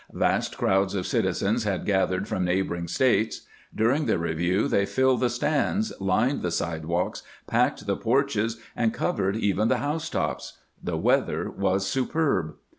Vast crowds of citizens had gathered from neighboring States. During the review they filled the stands, lined the sidewalks, packed the porches, and covered even the housetops. The weather was superb.